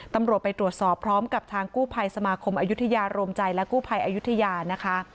ตำรวจไปตรวจสอบพร้อมกับทางกู้ภัยสมาคมอายุทยาโรมใจและกู้ภัยอายุทยานะคะ